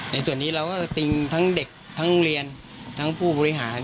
ในส่วนนี้เราก็ติงทั้งเด็กทั้งโรงเรียนทั้งผู้บริหาร